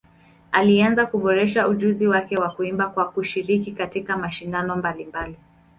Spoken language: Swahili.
Alianza kuboresha ujuzi wake wa kuimba kwa kushiriki katika mashindano mbalimbali.